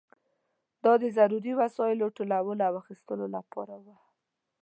دا د ضروري وسایلو ټولولو او اخیستلو لپاره وه.